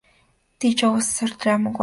Did You Ever See a Dream Walking?